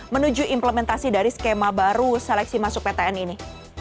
menuju implementasi dari skema baru seleksi masuk ptn ini